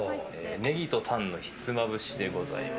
ネギとタンのひつまぶしでございます。。